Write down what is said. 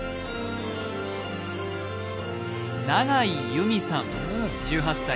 永井結海さん１８歳。